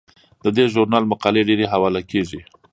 د دې ژورنال مقالې ډیرې حواله کیږي.